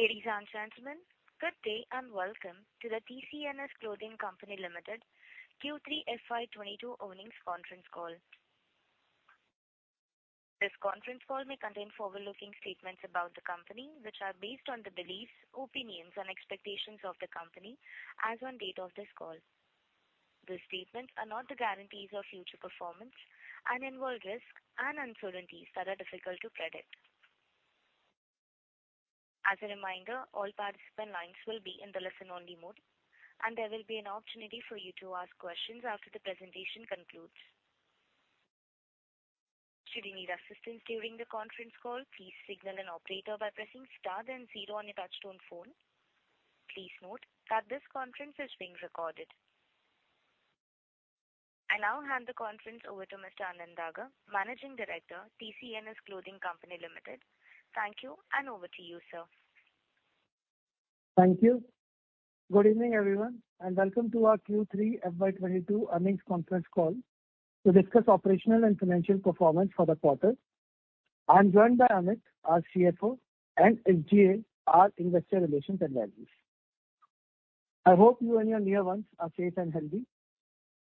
Ladies and gentlemen, good day and welcome to the TCNS Clothing Co. Limited Q3 FY 2022 Earnings Conference Call. This conference call may contain forward-looking statements about the company, which are based on the beliefs, opinions and expectations of the company as on date of this call. These statements are not the guarantees of future performance and involve risks and uncertainties that are difficult to predict. As a reminder, all participant lines will be in the listen only mode, and there will be an opportunity for you to ask questions after the presentation concludes. Should you need assistance during the conference call, please signal an operator by pressing star then zero on your touchtone phone. Please note that this conference is being recorded. I now hand the conference over to Mr. Anant Kumar Daga, Managing Director, TCNS Clothing Co. Limited. Thank you, and over to you, sir. Thank you. Good evening, everyone, and welcome to our Q3 FY 2022 earnings conference call to discuss operational and financial performance for the quarter. I'm joined by Amit, our CFO, and SGA, our investor relations and analytics. I hope you and your near ones are safe and healthy.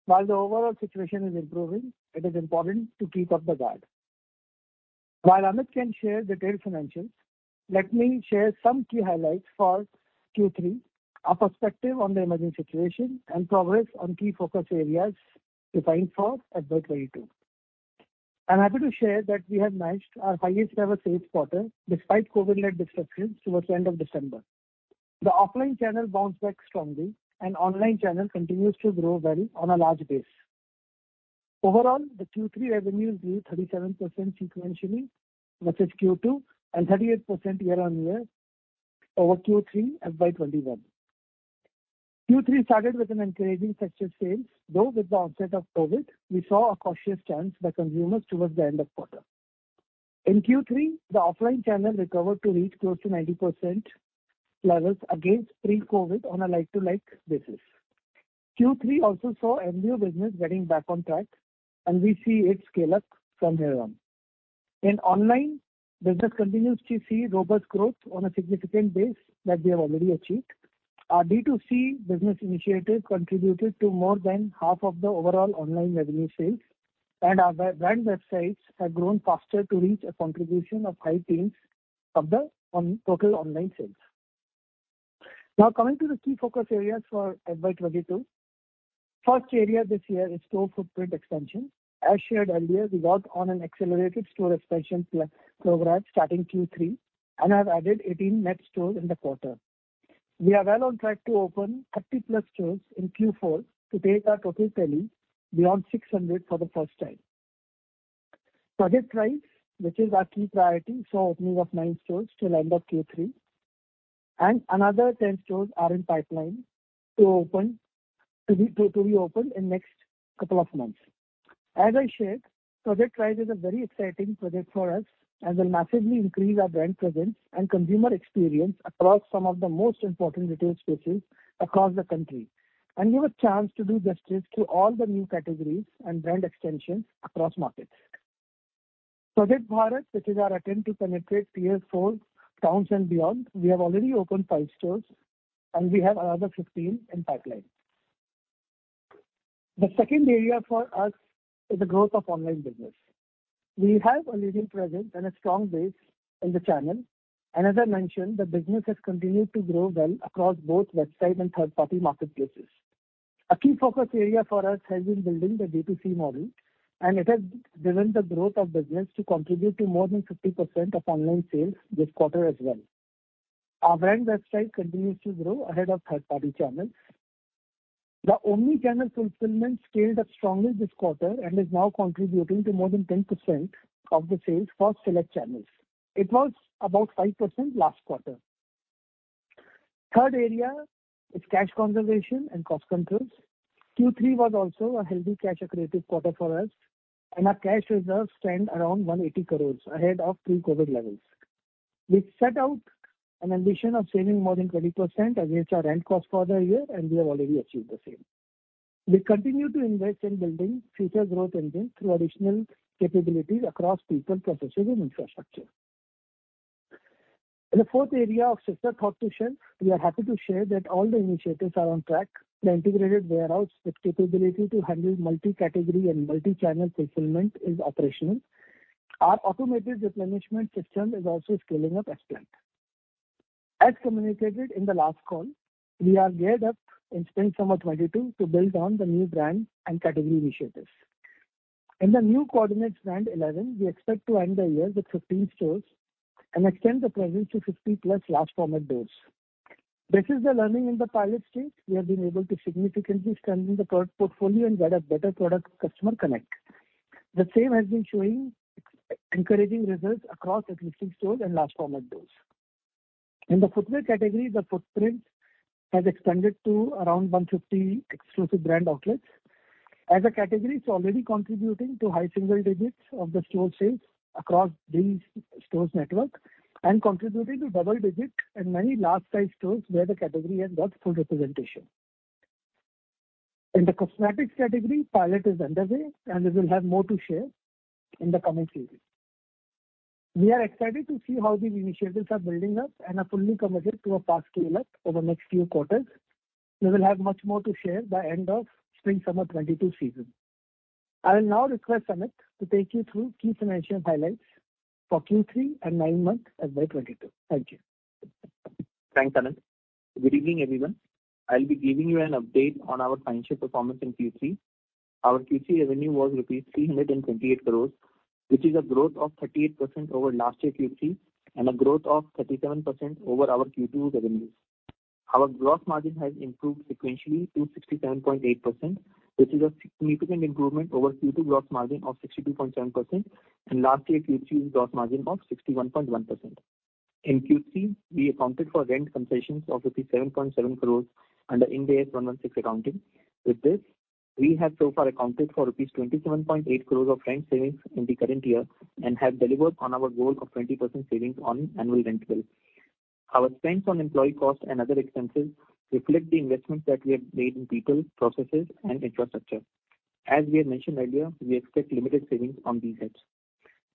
While the overall situation is improving, it is important to keep up the guard. While Amit can share the detailed financials, let me share some key highlights for Q3, our perspective on the emerging situation and progress on key focus areas defined for FY 2022. I'm happy to share that we have matched our highest ever sales quarter despite COVID-led disruptions towards the end of December. The offline channel bounced back strongly and online channel continues to grow well on a large base. Overall, the Q3 revenue grew 37% sequentially versus Q2 and 38% year-on-year over Q3 FY 2021. Q3 started with an encouraging textile sales, though with the onset of COVID we saw a cautious stance by consumers towards the end of the quarter. In Q3, the offline channel recovered to reach close to 90% levels against pre-COVID on a like-for-like basis. Q3 also saw MBO business getting back on track and we see it scale up from here on. In online, business continues to see robust growth on a significant base that we have already achieved. Our D2C business initiative contributed to more than half of the overall online revenue sales and our brand websites have grown faster to reach a contribution of high teens of the total online sales. Now coming to the key focus areas for FY 2022. First area this year is store footprint expansion. As shared earlier, we worked on an accelerated store expansion program starting Q3 and have added 18 net stores in the quarter. We are well on track to open 30+ stores in Q4 to take our total tally beyond 600 for the first time. Project RISE, which is our key priority, saw opening of 9 stores till end of Q3, and another 10 stores are in pipeline to be opened in next couple of months. As I shared, Project RISE is a very exciting project for us as it'll massively increase our brand presence and consumer experience across some of the most important retail spaces across the country and give a chance to do justice to all the new categories and brand extensions across markets. Project Bharat, which is our attempt to penetrate tier four towns and beyond. We have already opened 5 stores and we have another 15 in the pipeline. The second area for us is the growth of online business. We have a leading presence and a strong base in the channel. As I mentioned, the business has continued to grow well across both website and third-party marketplaces. A key focus area for us has been building the D2C model, and it has driven the growth of business to contribute to more than 50% of online sales this quarter as well. Our brand website continues to grow ahead of third-party channels. The omnichannel fulfillment scaled up strongly this quarter and is now contributing to more than 10% of the sales for select channels. It was about 5% last quarter. The third area is cash conservation and cost controls. Q3 was also a healthy cash accretive quarter for us and our cash reserves stand around 180 crores ahead of pre-COVID levels. We set out an ambition of saving more than 20% against our rent cost for the year, and we have already achieved the same. We continue to invest in building future growth engines through additional capabilities across people, processes and infrastructure. The fourth area of focus, we are happy to share that all the initiatives are on track. The integrated warehouse with capability to handle multi-category and multi-channel fulfillment is operational. Our automated replenishment system is also scaling up as planned. As communicated in the last call, we are geared up in spring summer 2022 to build on the new brand and category initiatives. In the new Coordinates brand Elleven, we expect to end the year with 15 stores and extend the presence to 50+ large format doors. Based on the learning in the pilot stage, we have been able to significantly strengthen the product portfolio and get a better product customer connect. The same has been showing encouraging results across existing stores and large format doors. In the footwear category, the footprint has expanded to around 150 exclusive brand outlets. As a category, it's already contributing to high single digits of the store sales across these stores network and contributing to double digits in many large size stores where the category has got full representation. In the cosmetics category, pilot is underway and we will have more to share in the coming season. We are excited to see how these initiatives are building up and are fully committed to a fast scale-up over the next few quarters. We will have much more to share by end of spring/summer 2022 season. I will now request Amit to take you through key financial highlights for Q3 and nine months FY 2022. Thank you. Thanks, Anant. Good evening, everyone. I'll be giving you an update on our financial performance in Q3. Our Q3 revenue was INR 328 crores, which is a growth of 38% over last year Q3 and a growth of 37% over our Q2 revenues. Our gross margin has improved sequentially to 67.8%, which is a significant improvement over Q2 gross margin of 62.7% and last year Q3 gross margin of 61.1%. In Q3, we accounted for rent concessions of rupees 7.7 crores under Ind AS 116 accounting. With this, we have so far accounted for rupees 27.8 crores of rent savings in the current year and have delivered on our goal of 20% savings on annual rent bill. Our spends on employee costs and other expenses reflect the investments that we have made in people, processes, and infrastructure. As we had mentioned earlier, we expect limited savings on these heads.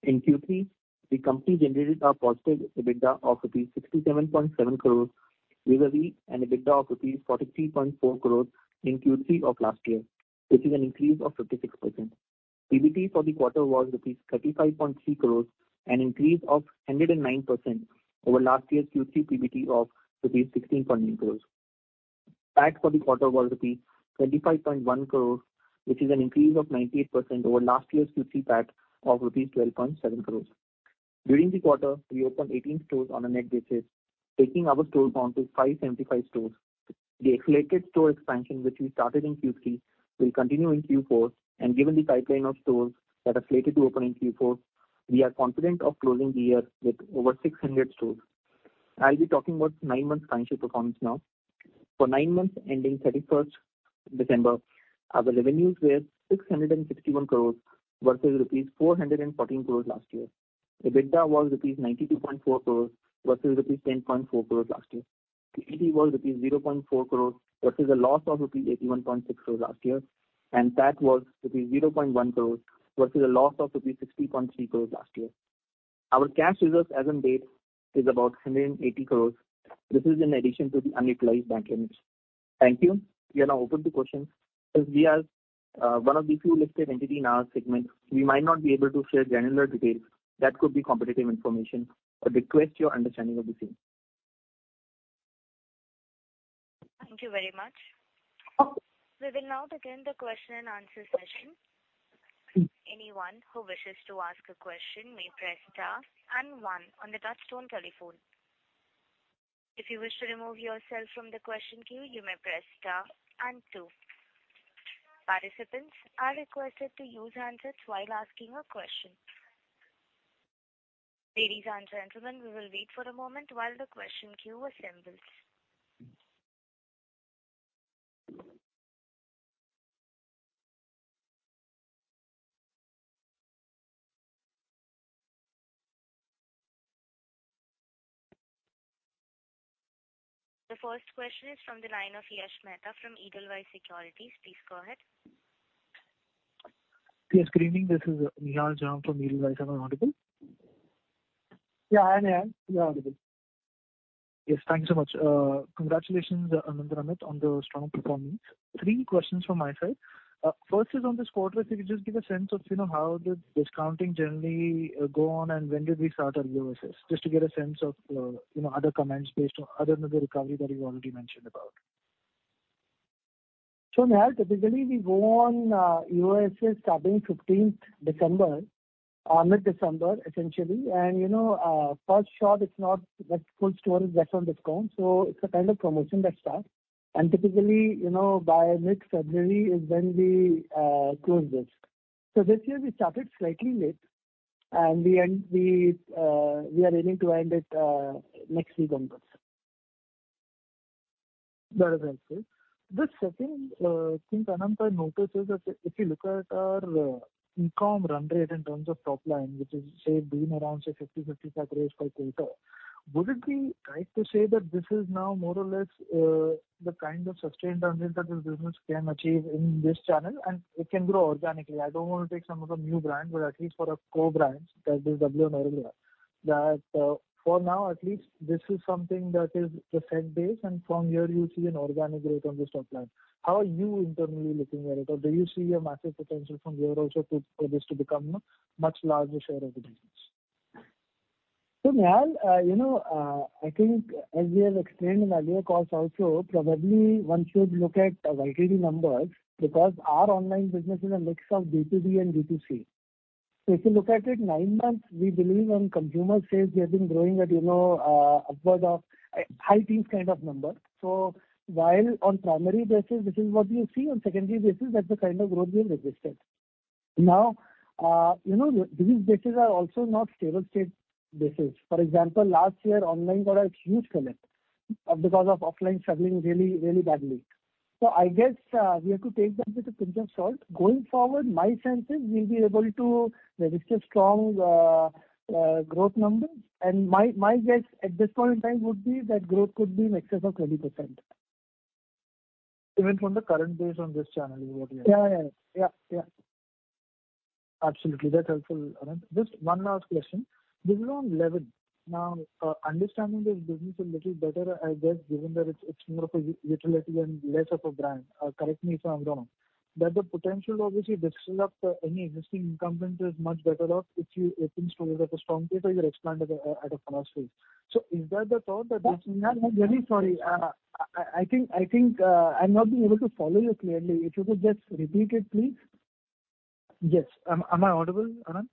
In Q3, the company generated a positive EBITDA of rupees 67.7 crores year-over-year and EBITDA of rupees 43.4 crores in Q3 of last year, which is an increase of 56%. PBT for the quarter was rupees 35.3 crores, an increase of 109% over last year's Q3 PBT of rupees 16.8 crores. PAT for the quarter was rupees 25.1 crores, which is an increase of 98% over last year's Q3 PAT of rupees 12.7 crores. During the quarter, we opened 18 stores on a net basis, taking our store count to 575 stores. The accelerated store expansion which we started in Q3 will continue in Q4, and given the pipeline of stores that are slated to open in Q4, we are confident of closing the year with over 600 stores. I'll be talking about 9 months financial performance now. For 9 months ending 31 December, our revenues were 661 crore versus rupees 414 crore last year. EBITDA was rupees 92.4 crore versus rupees 10.4 crore last year. PBT was rupees 0.4 crore versus a loss of rupees 81.6 crore last year, and PAT was rupees 0.1 crore versus a loss of rupees 60.3 crore last year. Our cash reserves as on date is about 180 crore. This is in addition to the unutilized bank limits. Thank you. We are now open to questions. As we are, one of the few listed entity in our segment, we might not be able to share granular details that could be competitive information. I request your understanding of the same. Thank you very much. We will now begin the question and answer session. Anyone who wishes to ask a question may press star and one on the touchtone telephone. If you wish to remove yourself from the question queue, you may press star and two. Participants are requested to use handsets while asking a question. Ladies and gentlemen, we will wait for a moment while the question queue assembles. The first question is from the line of Yash Mehta from Edelweiss Securities. Please go ahead. Yes, good evening. This is Nihal Jham from Edelweiss Securities. Am I audible? Yeah, I am. You're audible. Yes. Thank you so much. Congratulations, Anant and Amit, on the strong performance. Three questions from my side. First is on this quarter. Can you just give a sense of, you know, how the discounting generally go on, and when did we start our EOSS? Just to get a sense of, you know, other comments based on other than the recovery that you already mentioned about. Nihal, typically we go on EOSS starting fifteenth December or mid-December, essentially. You know, for sure it's not that full store is less on discount, so it's a kind of promotion that starts. Typically, you know, by mid-February is when we close this. This year we started slightly late and we end. We are aiming to end it next week onwards. That is helpful. The second thing, Anant, I noticed is that if we look at our e-com run rate in terms of top line, which has, say, been around, say, 50-55 crores per quarter, would it be right to say that this is now more or less the kind of sustained run rate that this business can achieve in this channel and it can grow organically? I don't want to take some of the new brand, but at least for our core brands, that is W and Aurelia, that for now at least this is something that is the set base and from here you see an organic rate on the top line. How are you internally looking at it? Do you see a massive potential from here also for this to become a much larger share of the business? Nihal, you know, I think as we have explained in earlier calls also, probably one should look at YTD numbers because our online business is a mix of B2B and B2C. If you look at it nine months, we believe on consumer sales, we have been growing at, you know, upwards of high teens kind of number. While on primary basis this is what you see, on secondary basis, that's the kind of growth we have registered. Now, you know, these bases are also not stable state bases. For example, last year online got a huge fillip because of offline struggling really, really badly. I guess, we have to take that with a pinch of salt. Going forward, my sense is we'll be able to register strong growth numbers. My guess at this point in time would be that growth could be in excess of 20%. Even from the current base on this channel is what we are saying. Yeah, yeah. Absolutely. That's helpful, Anant. Just one last question. This is on Elleven. Now, understanding this business a little better, I guess, given that it's more of a utility and less of a brand. Correct me if I'm wrong. That the potential, obviously, to disrupt any existing incumbent is much better off if it seems to be like a strong case, you expand at a fast pace. So is that the thought? No, no, really sorry. I think I'm not being able to follow you clearly. If you could just repeat it, please. Yes. Am I audible, Anant?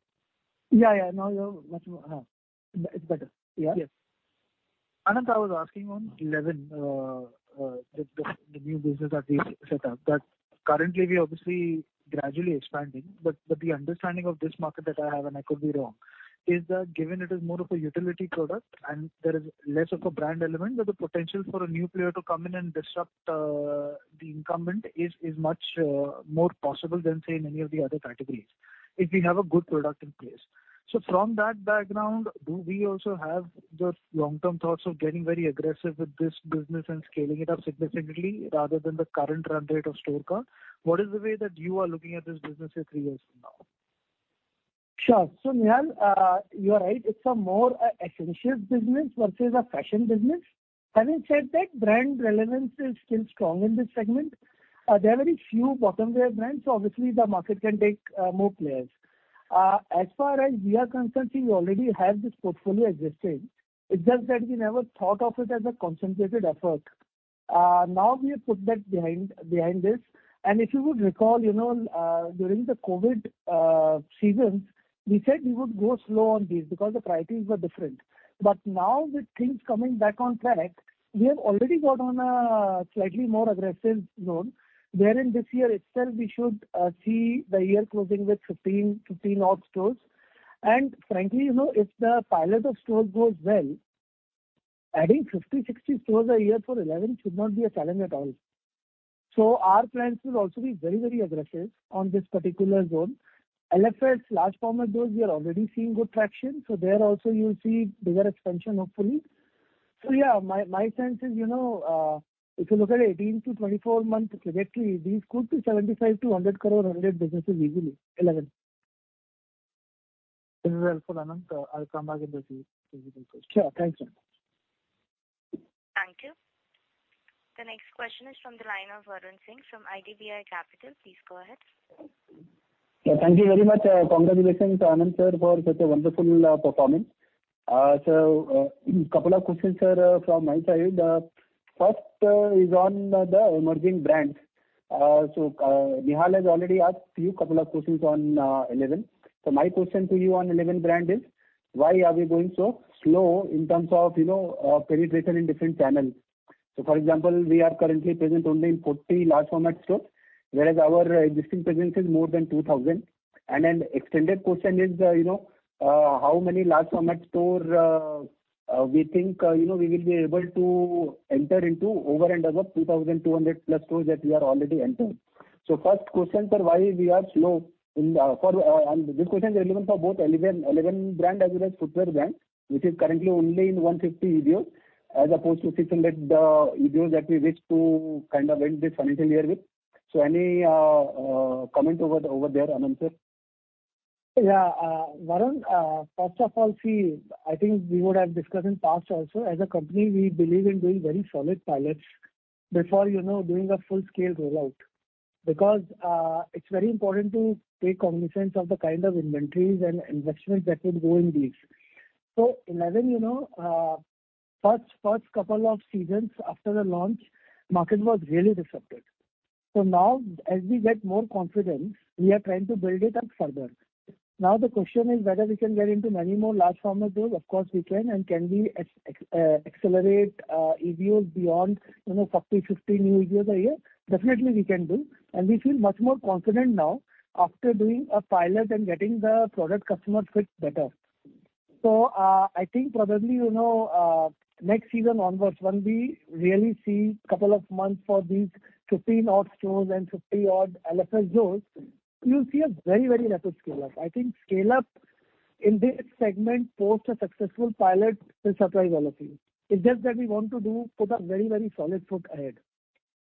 Yeah. Now you're much more. Uh-huh. It's better. Yeah. Yes. Anant, I was asking on Elleven, the new business that we set up, that currently we obviously gradually expanding. But the understanding of this market that I have, and I could be wrong, is that given it is more of a utility product and there is less of a brand element, that the potential for a new player to come in and disrupt the incumbent is much more possible than, say, in any of the other categories, if we have a good product in place. From that background, do we also have the long-term thoughts of getting very aggressive with this business and scaling it up significantly rather than the current run rate of store count? What is the way that you are looking at this business say three years from now? Sure. Nihal, you are right. It's a more essentials business versus a fashion business. Having said that, brand relevance is still strong in this segment. There are very few bottomwear brands, so obviously the market can take more players. As far as we are concerned, we already have this portfolio existing. It's just that we never thought of it as a concentrated effort. Now we have put that behind this. If you would recall, you know, during the COVID season, we said we would go slow on these because the priorities were different. Now with things coming back on track, we have already got on a slightly more aggressive zone, wherein this year itself we should see the year closing with 15 odd stores. Frankly, you know, if the pilot of store goes well, adding 50, 60 stores a year for Elleven should not be a challenge at all. Our plans will also be very, very aggressive on this particular zone. LFS, large format stores, we are already seeing good traction, so there also you'll see bigger expansion, hopefully. Yeah, my sense is, you know, if you look at 18-24 month trajectory, these could be 75 crore-100 crore rented businesses easily, Elleven. This is helpful, Anant. I'll come back if there's any further. Sure. Thanks, Anant. Thank you. The next question is from the line of Varun Singh from IDBI Capital. Please go ahead. Yeah, thank you very much. Congratulations, Anant sir, for such a wonderful performance. Couple of questions, sir, from my side. First is on the emerging brands. Nihal has already asked you couple of questions on Elleven. My question to you on Elleven brand is, why are we going so slow in terms of, you know, penetration in different channels? For example, we are currently present only in 40 large format stores, whereas our existing presence is more than 2,000. An extended question is, you know, how many large format store we think we will be able to enter into over and above 2,200 plus stores that we are already entered. First question, sir, why we are slow in the... This question is relevant for both Elleven brand as well as footwear brand, which is currently only in 150 EBOs, as opposed to 600 EBOs that we wish to kind of end this financial year with. Any comment over there, Anant sir? Yeah. Varun, first of all, see, I think we would have discussed in past also. As a company, we believe in doing very solid pilots before, you know, doing a full-scale rollout. Because, it's very important to take cognizance of the kind of inventories and investments that will go in these. In Elleven, you know, first couple of seasons after the launch, market was really disrupted. Now as we get more confident, we are trying to build it up further. Now the question is whether we can get into many more large format stores. Of course we can. Can we accelerate EBOs beyond, you know, 40, 50 new EBOs a year? Definitely we can do, and we feel much more confident now after doing a pilot and getting the product customer fit better. I think probably, you know, next season onwards, when we really see couple of months for these 15-odd stores and 50-odd LFS stores, you'll see a very, very rapid scale up. I think scale up in this segment post a successful pilot will surprise a lot of people. It's just that we want to put a very, very solid foot ahead.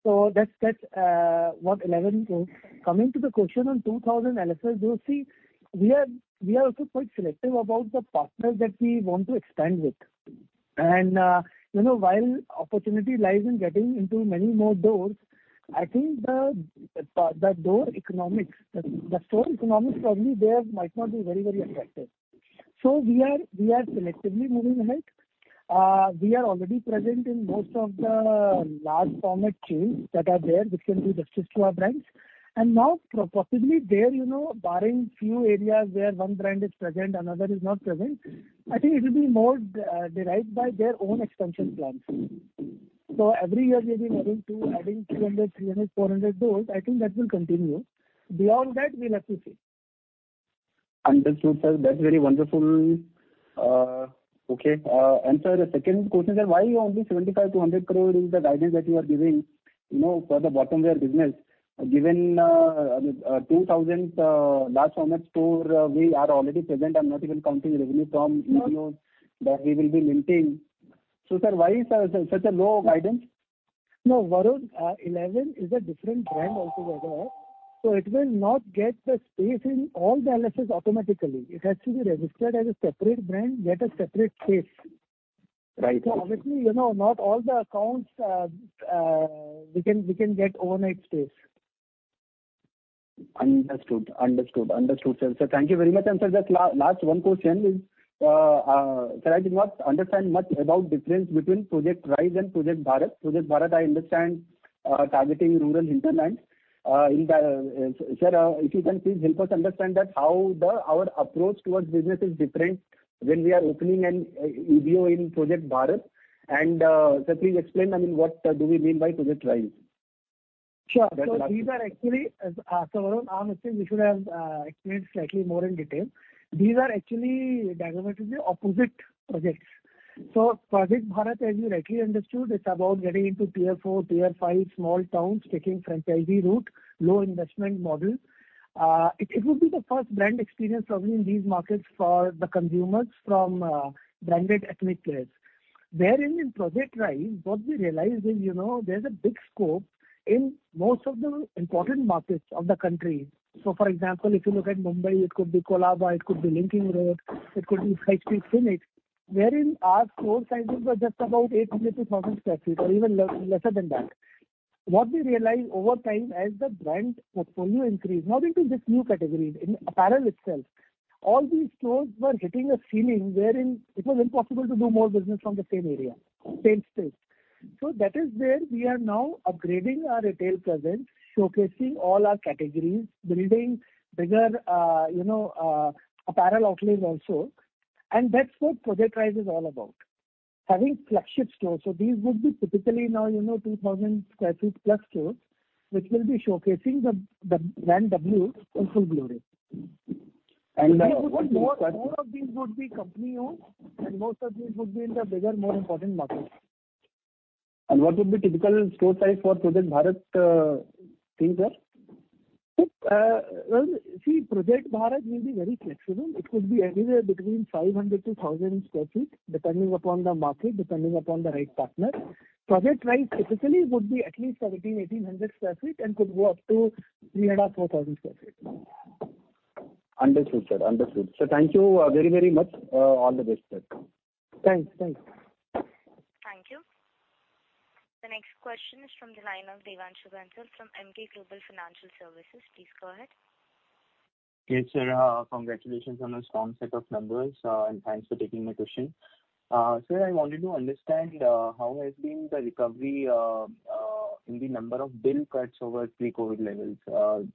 That's what Elleven is doing. Coming to the question on 2,000 LFS stores. See, we are also quite selective about the partners that we want to expand with. You know, while opportunity lies in getting into many more doors, I think the door economics, the store economics probably there might not be very, very attractive. We are selectively moving ahead. We are already present in most of the large format chains that are there, which can do justice to our brands. Now possibly there, you know, barring a few areas where one brand is present, another is not present, I think it will be more driven by their own expansion plans. Every year we'll be looking to adding 300 to 400 doors. I think that will continue. Beyond that, we'll have to see. Understood, sir. That's very wonderful. Okay. Sir, the second question, sir: why only 75 crore-100 crore is the guidance that you are giving, you know, for the bottomwear business? Given 2,000 large format store we are already present. I'm not even counting revenue from EBOs that we will be linking. Sir, why is such a low guidance? No, Varun, Elleven is a different brand also by the way. It will not get the space in all the LFS automatically. It has to be registered as a separate brand, get a separate space. Right. Obviously, you know, not all the accounts, we can get overnight space. Understood, sir. Thank you very much. Sir, just last one question is, sir, I did not understand much about difference between Project RISE and Project Bharat. Project Bharat, I understand, targeting rural hinterland. Sir, if you can please help us understand how our approach towards business is different when we are opening an EBO in Project Bharat. Sir, please explain, I mean, what do we mean by Project RISE? Sure. These are actually, so Varun, I must say we should have explained slightly more in detail. These are actually diametrically opposite projects. Project Bharat, as you rightly understood, it's about getting into tier four, tier five small towns, taking franchisee route, low investment model. It would be the first brand experience probably in these markets for the consumers from branded ethnic players. Wherein in Project RISE, what we realized is, you know, there's a big scope in most of the important markets of the country. For example, if you look at Mumbai, it could be Colaba, it could be Linking Road, it could be High Street Phoenix, wherein our store sizes were just about 800-1,000 sq ft or even lesser than that. What we realized over time, as the brand portfolio increased, not into this new category, in apparel itself, all these stores were hitting a ceiling wherein it was impossible to do more business from the same area, same space. That is where we are now upgrading our retail presence, showcasing all our categories, building bigger, you know, apparel outlet also. That's what Project RISE is all about, having flagship stores. These would be typically now, you know, 2,000 sq ft+ stores, which will be showcasing the brand W in full glory. What would be? All of these would be company-owned, and most of these would be in the bigger, more important markets. What would be typical store size for Project Bharat? Well, see, Project Bharat will be very flexible. It could be anywhere between 500-1,000 sq ft, depending upon the market, depending upon the right partner. Project RISE typically would be at least 1,700-1,800 sq ft and could go up to 3,500-4,000 sq ft. Understood, sir. Thank you, very, very much. All the best, sir. Thanks. Thanks. Thank you. The next question is from the line of Devanshu Bansal from Emkay Global Financial Services. Please go ahead. Okay, sir. Congratulations on a strong set of numbers, and thanks for taking my question. Sir, I wanted to understand how has been the recovery in the number of bill cuts over pre-COVID levels.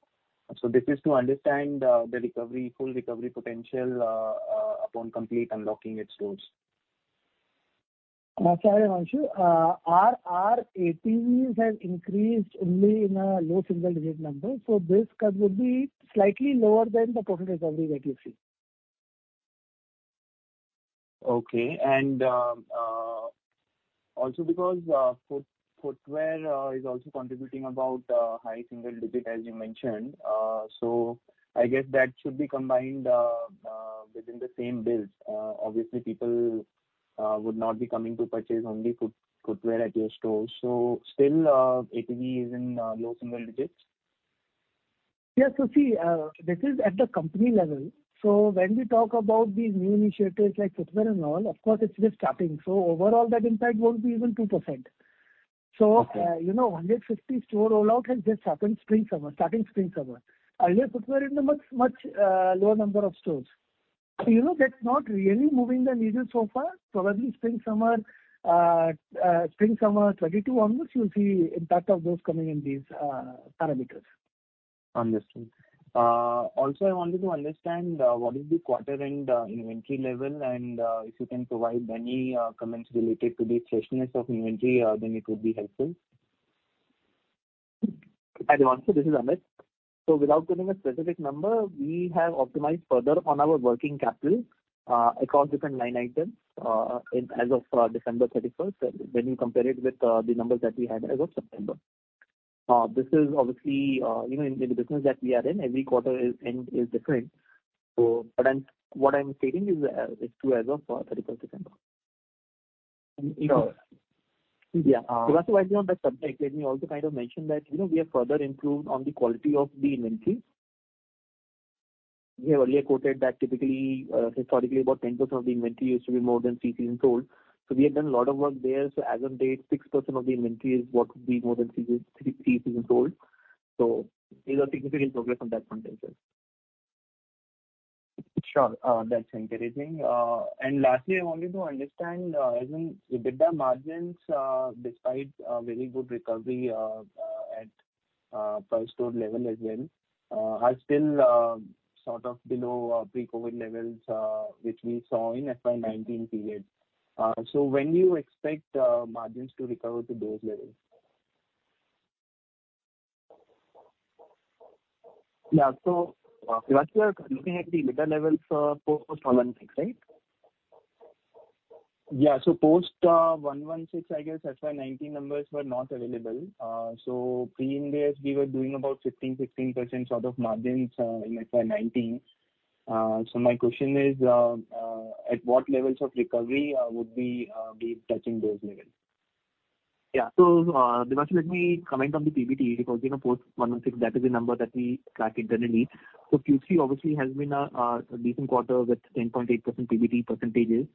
This is to understand the recovery, full recovery potential upon complete unlocking its stores. Sorry, Devanshu. Our ATVs have increased only in a low single digit number, so this cut would be slightly lower than the total recovery that you see. Okay. Also because footwear is also contributing about high single-digit% as you mentioned. I guess that should be combined within the same bills. Obviously people would not be coming to purchase only footwear at your stores. Still, ATV is in low single digits? Yes. See, this is at the company level. When we talk about these new initiatives like footwear and all, of course it's just starting. Overall that impact won't be even 2%. Okay. You know, 150 store rollout has just happened starting spring summer. Earlier footwear in the much lower number of stores. You know, that's not really moving the needle so far. Probably spring summer 2022 onwards, you'll see impact of those coming in these parameters. Understood. Also, I wanted to understand what is the quarter end inventory level, and if you can provide any comments related to the freshness of inventory, then it would be helpful. Hi, Devanshu. This is Amit. Without giving a specific number, we have optimized further on our working capital across different line items as of December 31, when you compare it with the numbers that we had as of September. This is obviously, you know, in the business that we are in, every quarter is different. But what I'm stating is true as of December 31. Sure. Yeah. Uh- Devanshu, while you're on that subject, let me also kind of mention that, you know, we have further improved on the quality of the inventory. We have earlier quoted that typically, historically about 10% of the inventory used to be more than three seasons old. We have done a lot of work there. As on date, 6% of the inventory is what would be more than three seasons old. These are significant progress on that front as well. Sure. That's encouraging. Lastly, I wanted to understand, I mean, EBITDA margins, despite a very good recovery, at per store level as well, are still sort of below pre-COVID levels, which we saw in FY 2019 period. When do you expect margins to recover to those levels? Yeah. If you are looking at the EBITDA levels, post Ind AS 116, right? Yeah. Post Ind AS 116, I guess, FY 2019 numbers were not available. Pre-Ind AS we were doing about 15%-16% sort of margins in FY 2019. My question is, at what levels of recovery would we be touching those levels? Yeah. Divanshu, let me comment on the PBT, because, you know, post Ind AS 116, that is a number that we track internally. Q3 obviously has been a decent quarter with 10.8% PBT percentages.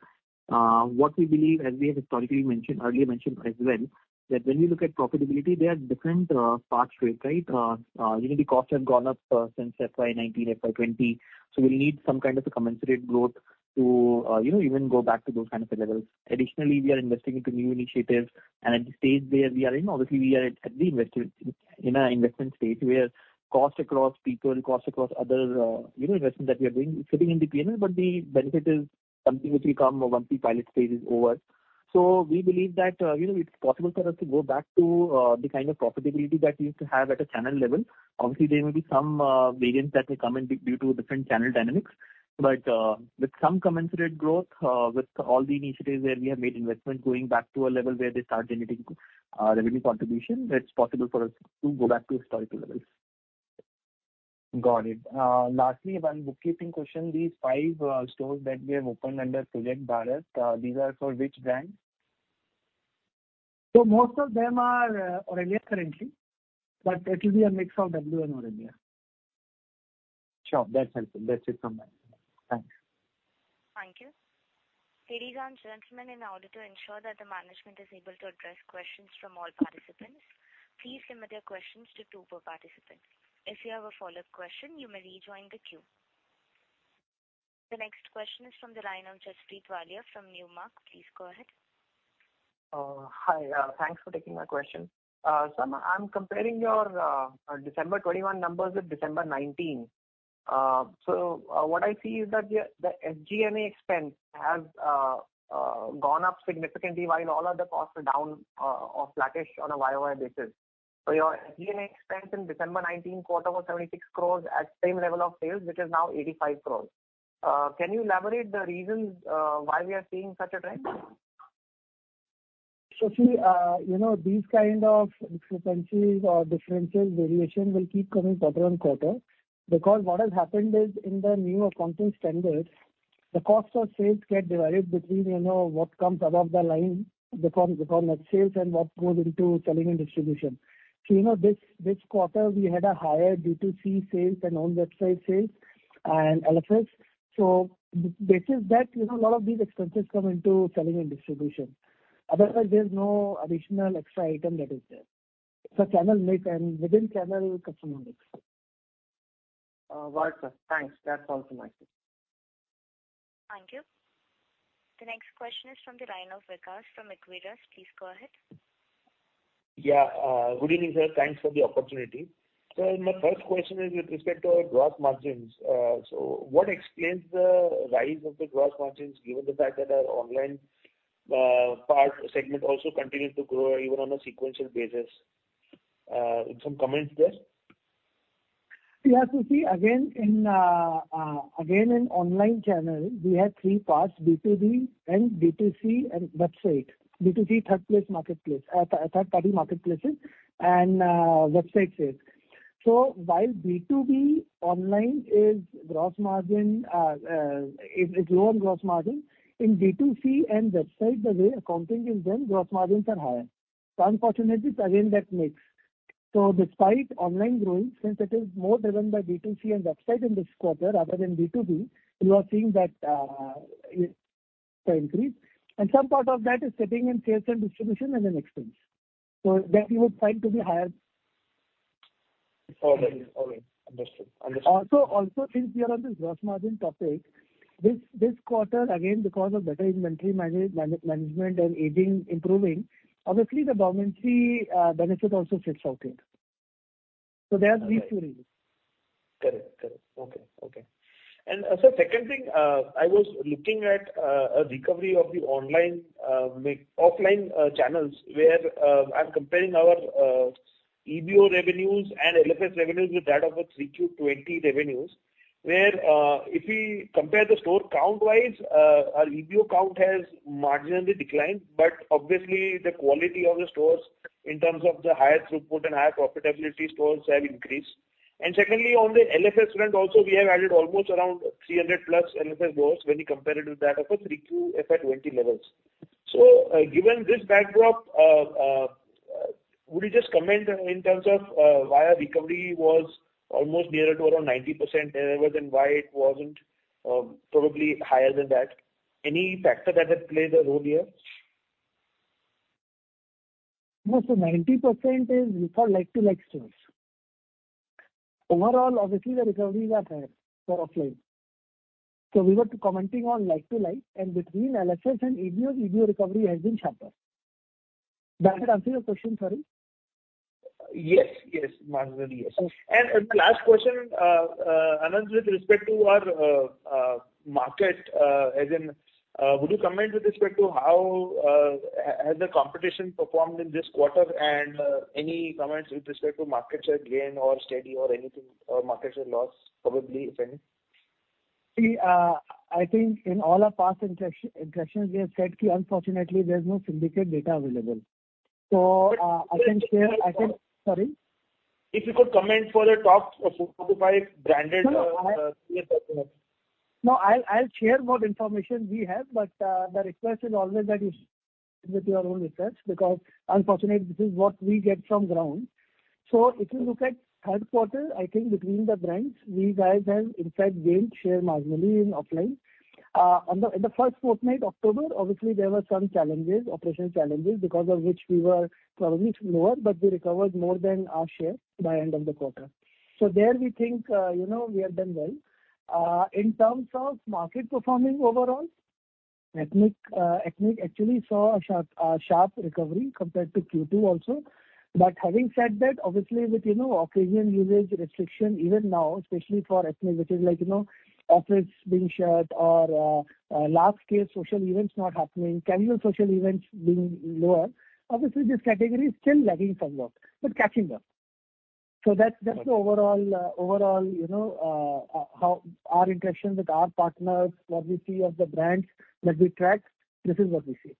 What we believe, as we have historically mentioned, earlier mentioned as well, that when we look at profitability, there are different paths to it, right? You know, the costs have gone up since FY 2019, FY 2020, so we'll need some kind of a commensurate growth to, you know, even go back to those kind of levels. Additionally, we are investing into new initiatives and at the stage where we are in. Obviously we are at the investment in our investment stage, where costs across people, costs across other, you know, investments that we are doing sitting in the P&L, but the benefit is something which will come once the pilot stage is over. We believe that, you know, it's possible for us to go back to the kind of profitability that we used to have at a channel level. Obviously, there may be some variance that may come in due to different channel dynamics. With some commensurate growth, with all the initiatives where we have made investments going back to a level where they start generating revenue contribution, it's possible for us to go back to historical levels. Got it. Lastly, one bookkeeping question. These five stores that we have opened under Project Bharat, these are for which brand? Most of them are Aurelia currently, but it will be a mix of W and Aurelia. Sure. That's helpful. That's it from my side. Thanks. Thank you. Ladies and gentlemen, in order to ensure that the management is able to address questions from all participants, please limit your questions to two per participant. If you have a follow-up question, you may rejoin the queue. The next question is from the line of Jaspreet Walia from Nomura. Please go ahead. Hi. Thanks for taking my question. I'm comparing your December 2021 numbers with December 2019. What I see is that the SG&A expense has gone up significantly while all other costs are down or flattish on a YOY basis. Your SG&A expense in December 2019 quarter was 76 crores at same level of sales, which is now 85 crores. Can you elaborate the reasons why we are seeing such a trend? See, you know, these kind of discrepancies or differences, variations will keep coming quarter-over-quarter. Because what has happened is in the new accounting standards, the cost of sales get divided between, you know, what comes above the line, the cost of net sales and what goes into selling and distribution. You know, this quarter we had a higher D2C sales and on-website sales and LFS. Based on that, you know, a lot of these expenses come into selling and distribution. Otherwise, there's no additional extra item that is there. It's a channel mix and within channel customer mix. Got it, sir. Thanks. That's all from my side. Thank you. The next question is from the line of Vikas from Equirus. Please go ahead. Good evening, sir. Thanks for the opportunity. My first question is with respect to our gross margins. What explains the rise of the gross margins given the fact that our online part segment also continues to grow even on a sequential basis? Some comments there. Yeah. See, again in online channel, we have three parts, B2B, B2C, and website. B2C, third-party marketplaces and website sales. While B2B online is low on gross margin, in B2C and website, the way accounting is done, gross margins are higher. Unfortunately, it's again that mix. Despite online growth, since it is more driven by B2C and website in this quarter other than B2B, you are seeing that increase. Some part of that is sitting in sales and distribution and in expense. That you would find to be higher. All right. Understood. Since we are on this gross margin topic, this quarter, again, because of better inventory management and aging improving, obviously the balance sheet benefit also sits out here. There are these two reasons. Correct. Okay. Second thing, I was looking at a recovery of the online offline channels where I'm comparing our EBO revenues and LFS revenues with that of Q3 FY 2020 revenues. If we compare the store count-wise, our EBO count has marginally declined, but obviously the quality of the stores in terms of the higher throughput and higher profitability stores have increased. Secondly, on the LFS front also we have added almost around 300+ LFS stores when you compare it with that of Q3 FY 2020 levels. Given this backdrop, would you just comment in terms of why our recovery was almost nearer to around 90% levels and why it wasn't probably higher than that? Any factor that had played a role here? No. Ninety percent is for like-to-like stores. Overall, obviously the recoveries are higher for offline. We were commenting on like to like, and between LFS and EBO recovery has been sharper. Does that answer your question, sorry? Yes. Yes. Marginally yes. Okay. The last question, Anand, with respect to our market, as in, would you comment with respect to how has the competition performed in this quarter? Any comments with respect to market share gain or steady or anything, or market share loss probably, if any. See, I think in all our past interactions, we have said, unfortunately, there's no syndicate data available. I can. Sorry. If you could comment on the top four to five brands. No, I'll share what information we have, but the request is always that you do your own research, because unfortunately, this is what we get from the ground. If you look at third quarter, I think between the brands, we guys have in fact gained share marginally in offline. In the first fortnight of October, obviously, there were some challenges, operational challenges, because of which we were probably lower, but we recovered more than our share by end of the quarter. There we think, you know, we have done well. In terms of market performing overall, ethnic actually saw a sharp recovery compared to Q2 also. Having said that, obviously with you know, occasion usage restriction even now, especially for ethnic, which is like you know, outfits being shared or large scale social events not happening, casual social events being lower. Obviously, this category is still lagging somewhat, but catching up. That's the overall you know, how our interaction with our partners, what we see of the brands that we track. This is what we see.